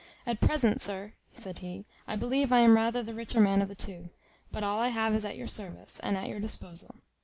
At present, sir," said he, "I believe I am rather the richer man of the two; but all I have is at your service, and at your disposal.